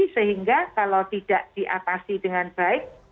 sehingga kalau tidak diatasi dengan baik